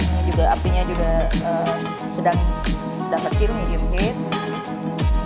ini juga apinya juga sedang kecil medium heat